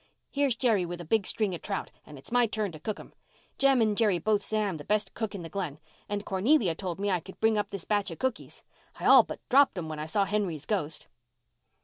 Here's Jerry with a big string of trout and it's my turn to cook them. Jem and Jerry both say I'm the best cook in the Glen. And Cornelia told me I could bring up this batch of cookies. I all but dropped them when I saw Henry's ghost."